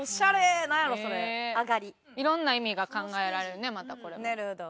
いろんな意味が考えられるねまたこれも。